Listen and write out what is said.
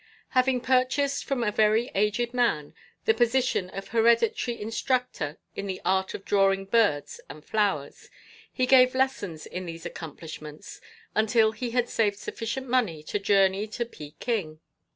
Having purchased from a very aged man the position of Hereditary Instructor in the Art of Drawing Birds and Flowers, he gave lessons in these accomplishments until he had saved sufficient money to journey to Peking.